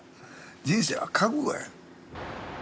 人生は覚悟や。